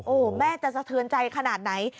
โอ้โหแม่จะสะเทือนใจขนาดไหน